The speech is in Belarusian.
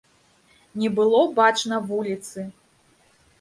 Не было бачна вуліцы.